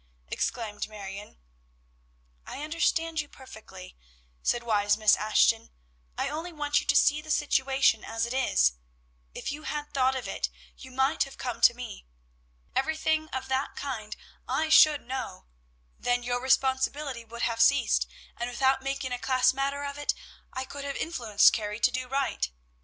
_" exclaimed Marion. "I understand you perfectly," said wise Miss Ashton; "I only want you to see the situation as it is. If you had thought of it, you might have come to me. Everything of that kind I should know, then your responsibility would have ceased, and, without making a class matter of it, I could have influenced Carrie to do right.